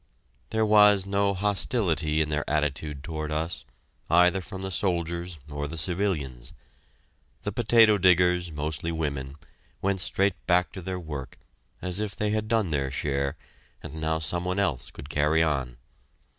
There was no hostility in their attitude toward us, either from the soldiers or the civilians. The potato diggers, mostly women, went straight back to their work as if they had done their share and now some one else could "carry on."